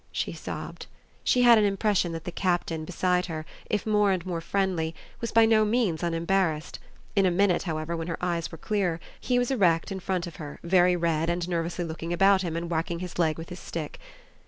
she sobbed. She had an impression that the Captain, beside her, if more and more friendly, was by no means unembarrassed; in a minute, however, when her eyes were clearer, he was erect in front of her, very red and nervously looking about him and whacking his leg with his stick.